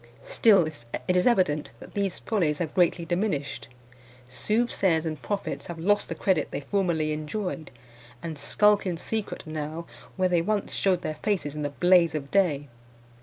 Still it is evident that these follies have greatly diminished. Soothsayers and prophets have lost the credit they formerly enjoyed, and skulk in secret now where they once shewed their faces in the blaze of day.